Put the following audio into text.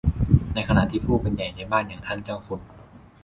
ในขณะที่ผู้เป็นใหญ่ในบ้านอย่างท่านเจ้าคุณ